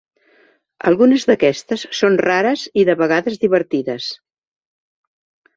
Algunes d'aquestes són rares i de vegades divertides.